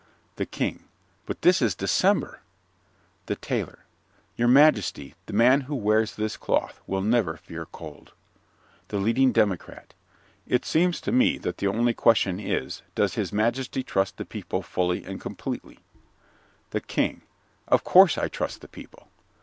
THE KING But this is December. THE TAILOR Your majesty, the man who wears this cloth will never fear cold. THE LEADING DEMOCRAT It seems to me that the only question is, Does his majesty trust the people fully and completely? THE KING Of course I trust the people.